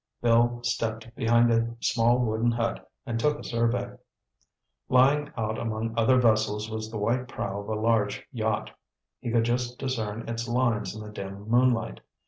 Bill stepped behind a small wooden hut and took a survey. Lying out among other vessels was the white prow of a large yacht. He could just discern its lines in the dim moonlight.